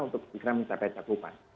untuk segera mencapai cakupan